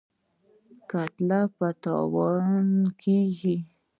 ګټه په تاوان کیږي.